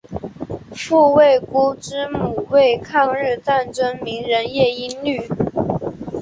傅慰孤之母为抗日战争名人叶因绿。